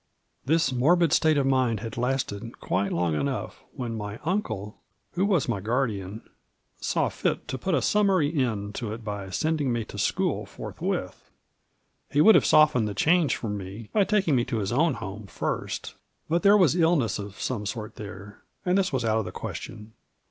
This morbid state of mind had lasted quite long enough when my uncle, who was my guardian, saw fit to ^ Digitized by VjOOQIC 84 MABJORT. pat a snmmary end to it by sending me to school forth with ; he would have softened the change for me by tak ing me to his own home first, bnt there was illness of some sort there, and this was ont of the question.